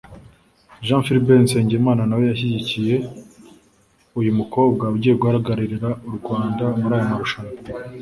Jean Philbert Nsengimana na we yashyigikiye uyu mukobwa ugiye guhagararira u Rwanda muri aya marushanwa